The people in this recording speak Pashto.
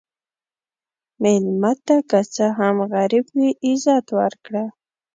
مېلمه ته که څه هم غریب وي، عزت ورکړه.